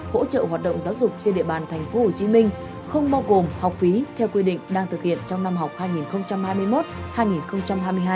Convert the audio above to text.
hỗ trợ hoạt động giáo dục trên địa bàn tp hcm không bao gồm học phí theo quy định đang thực hiện trong năm học hai nghìn hai mươi một hai nghìn hai mươi hai